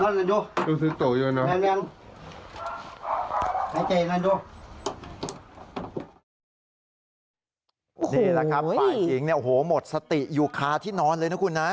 นี่แหละครับฝ่ายจริงหมดสติอยู่ค้าที่นอนเลยนะคุณนะ